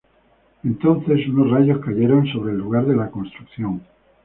Entonces, unos rayos cayeron sobre el lugar de la construcción.